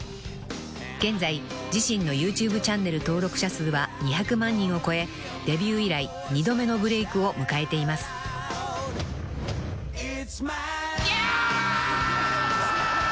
［現在自身のＹｏｕＴｕｂｅチャンネル登録者数は２００万人を超えデビュー以来２度目のブレイクを迎えています］ヤー！